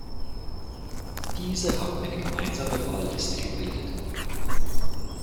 Diese haben eine gemeinsame Wahlliste gebildet.